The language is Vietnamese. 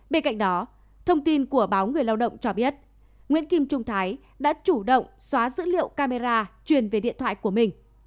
bên cạnh đó thông tin của báo người lao động cho biết nguyễn kim trung thái đã chủ động xóa dữ liệu camera truyền về điện thoại của mình